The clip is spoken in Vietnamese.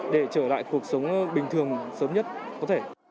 để trở lại cuộc sống bình thường sớm nhất có thể